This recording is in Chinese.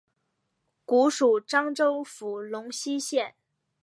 古属漳州府龙溪县。